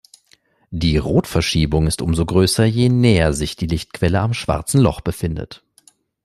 Die Rotverschiebung ist umso größer, je näher sich die Lichtquelle am Schwarzen Loch befindet.